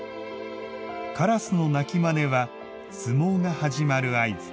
からすの鳴きまねは相撲が始まる合図。